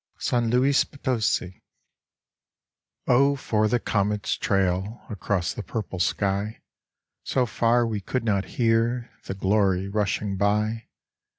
80 San Luis Potosi San Luis Potosi Oh, for the comet's trail Across the purple sky, So far we could not hear The glory rushing by